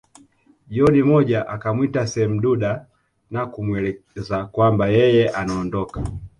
Jioni moja akamwita Semduda na kumweleza kwamba yeye anaondoka